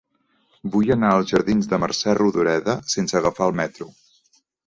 Vull anar als jardins de Mercè Rodoreda sense agafar el metro.